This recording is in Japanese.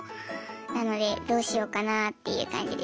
なのでどうしようかなっていう感じで。